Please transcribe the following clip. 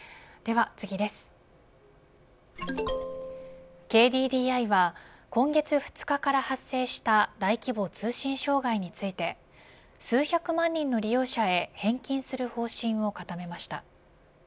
ＫＤＤＩは今月２日から発生した大規模通信障害について数百万人の利用者へ返金する方針を固めました。